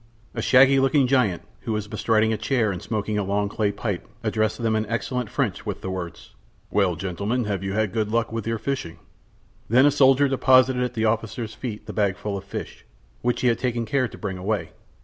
A shaggy looking giant, who was bestriding a chair and smoking a long clay pipe, addressed them in excellent French with the words: "Well, gentlemen, have you had good luck with your fishing?" Then a soldier deposited at the officer's feet the bag full of fish, which he had taken care to bring away.